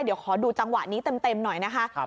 เดี๋ยวขอดูจังหวะนี้เต็มหน่อยนะคะ